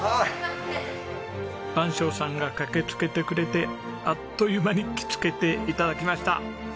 番匠さんが駆けつけてくれてあっという間に着付けて頂きました。